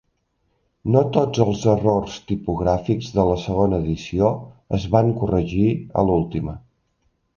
No tots els errors tipogràfics de la segona edició es van corregir a l'última.